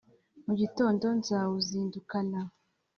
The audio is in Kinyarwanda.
Mu gitondo nkazawuzindukana,